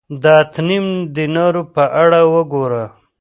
د اته نیم دینارو په اړه وګوره